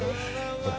ほら。